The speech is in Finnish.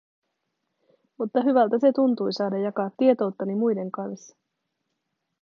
Mutta hyvältä se tuntui, saada jakaa tietouttani muiden kanssa.